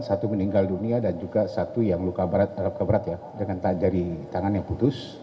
satu meninggal dunia dan juga satu yang luka berat ya dengan jari tangan yang putus